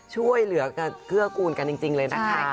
ช่วยเหลือกันเกื้อกูลกันจริงเลยนะคะ